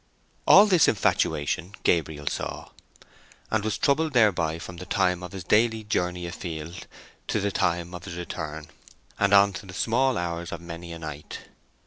All this infatuation Gabriel saw, and was troubled thereby from the time of his daily journey a field to the time of his return, and on to the small hours of many a night.